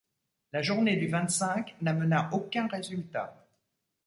La journée du vingt-cinq n’amena aucun résultat.